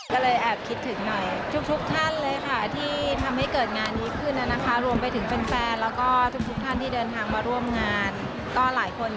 ก็เลยแอบคิดถึงหน่อย